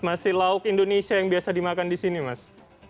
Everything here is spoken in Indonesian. masih lauk indonesia yang biasa dimakan di sini mas